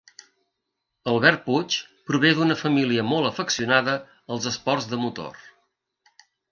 Albert Puig prové d'una família molt afeccionada als esports de motor.